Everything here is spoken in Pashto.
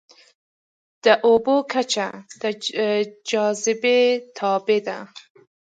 د اوبو کچه د جاذبې تابع ده.